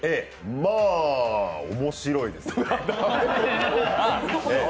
まぁ、面白いですね。